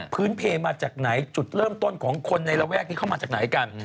เพลมาจากไหนจุดเริ่มต้นของคนในระแวกนี้เข้ามาจากไหนกัน